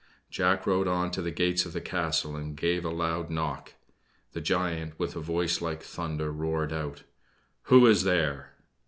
Jack rode on to the gates of the castle, and gave a loud knock. The giant, with a voice like thunder, roared out: "Who is there?"